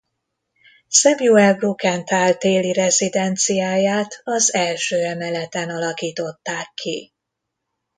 Samuel Brukenthal téli rezidenciáját az első emeleten alakították ki.